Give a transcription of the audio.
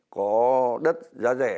có đất giá rẻ